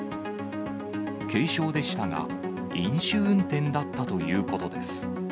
軽傷でしたが、飲酒運転だったということです。